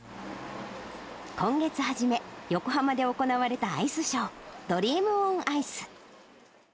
今月初め、横浜で行われたアイスショー、ドリーム・オン・アイス。